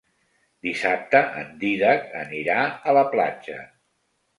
Dissabte en Dídac anirà a la platja.